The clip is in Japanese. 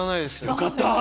よかった！